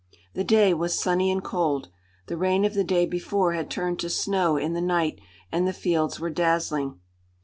The day was sunny and cold. The rain of the day before had turned to snow in the night, and the fields were dazzling.